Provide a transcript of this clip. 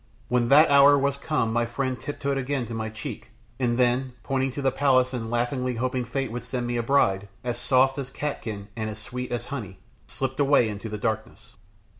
When that hour was come my friend tiptoed again to my cheek, and then, pointing to the palace and laughingly hoping fate would send me a bride "as soft as catkin and as sweet as honey," slipped away into the darkness.